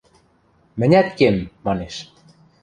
Мӹнят кем! – манеш.